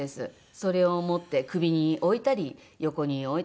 それを持って首に置いたり横に置いたり。